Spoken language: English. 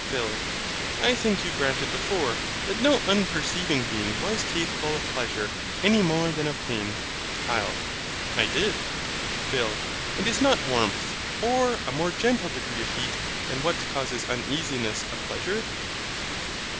PHIL. I think you granted before that no unperceiving being was capable of pleasure, any more than of pain. HYL. I did. PHIL. And is not warmth, or a more gentle degree of heat than what causes uneasiness, a pleasure?